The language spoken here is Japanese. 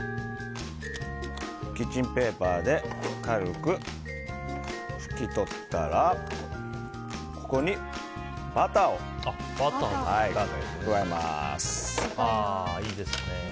キッチンペーパーで軽く拭き取ったらここにバターを加えます。